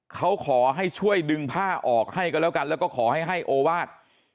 เขาขอให้ช่วยดึงผ้าออกให้กันแล้วกันแล้วก็ขอให้ให้โอวาส